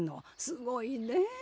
すごいねぇ